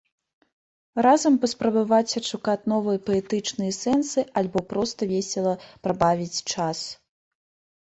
Разам паспрабаваць адшукаць новыя паэтычныя сэнсы, альбо проста весела прабавіць час.